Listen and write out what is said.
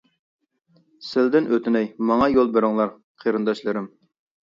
سىلىدىن ئۆتۈنەي، ماڭا يول بېرىڭلار، قېرىنداشلىرىم.